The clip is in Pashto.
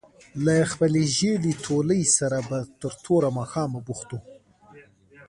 له خپلې ژېړې تولۍ سره به تر توره ماښامه بوخت وو.